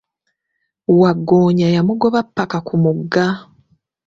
Wagggoonya yamugoba ppaka ku mugga.